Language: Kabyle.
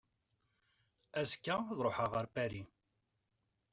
Azekka ad ruḥeɣ ɣer Paris.